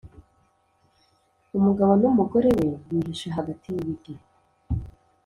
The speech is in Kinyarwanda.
Umugabo n’ umugore we bihisha hagati y’ ibiti